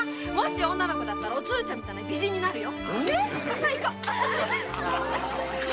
女の子だったらおつるちゃんみたいな美人になるよ。